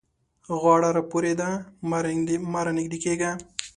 غاړه را پورې ده؛ مه رانږدې کېږه.